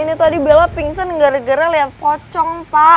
ini tadi bela pingsan gara gara liat pocong pak